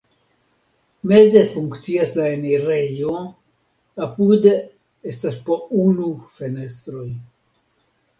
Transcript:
Meze funkcias la enirejo, apude estas po unu fenestroj.